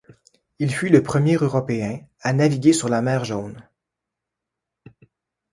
Il fut le premier Européen à naviguer sur la mer Jaune.